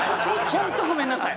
ホントごめんなさい！